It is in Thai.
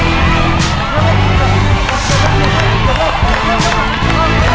พิมพ์พิมพ์พิมพ์มาช่วยหน่อยก็ได้นะ